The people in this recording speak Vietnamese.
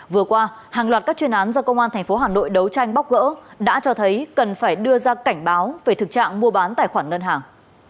vừa qua hàng loạt các chuyên án do công an tp hà nội đấu tranh bóc gỡ đã cho thấy cần phải đưa ra cảnh báo về thực trạng mua bán tài khoản ngân hàng